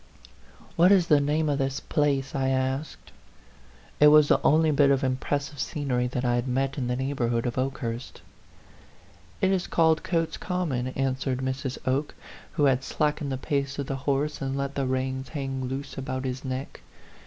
" What is the name of this place?" I asked. It was the only bit of impressive scenery that I had met in the neighborhood of Oke hurst. " It is called Cotes Common," answered Mrs. Oke, who had slackened the pace of the horse and let the reins hang loose about his neck.